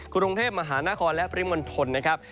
กรุงเทพมหานครและปริมณฑลนะครับ